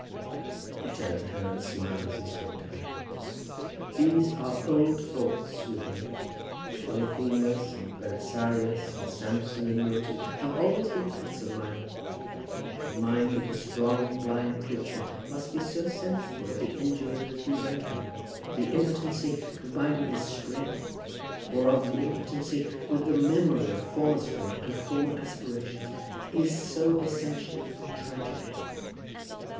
He turned to her, and smiled as he spoke to her. "These are old thoughts with me. Polyphemus and Belisarius, and Samson and Milton, have always been pets of mine. The mind of the strong blind creature must be so sensible of the injury that has been done to him! The impotency, combined with his strength, or rather the impotency with the memory of former strength and former aspirations, is so essentially tragic!"